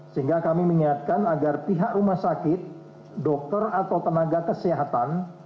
sehingga kami mengingatkan agar pihak rumah sakit dokter atau tenaga kesehatan